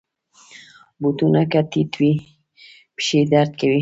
بوټونه که ټیټ وي، پښې درد کوي.